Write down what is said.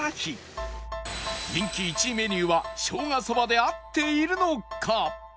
人気１位メニューはしょうがそばで合っているのか？